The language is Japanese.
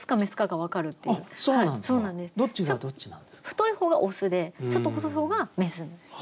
太い方がオスでちょっと細い方がメスです。